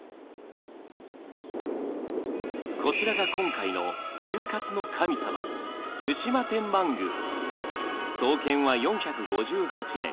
こちらが今回のシュウカツの神様創建は４５８年。